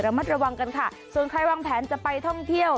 มัดระวังกันค่ะส่วนใครวางแผนจะไปท่องเที่ยว